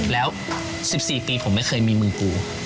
แล้ว๑๔ปีผมไม่เคยมีมือกู